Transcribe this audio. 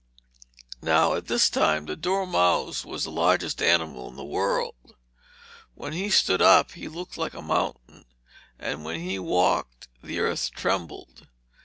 Now at this time the dormouse was the largest animal in the world. When he stood up he looked like a mountain, and when he walked the earth trembled.